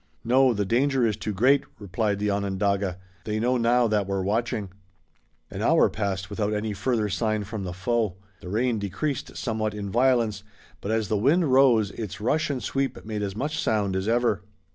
"No, the danger is too great," replied the Onondaga. "They know now that we're watching." An hour passed without any further sign from the foe. The rain decreased somewhat in violence, but, as the wind rose, its rush and sweep made as much sound as ever.